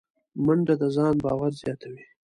منډه د ځان باور زیاتوي